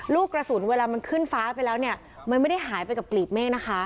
ลูกกระสุนเวลามันขึ้นฟ้าไปแล้วเนี่ยมันไม่ได้หายไปกับกลีบเมฆนะคะ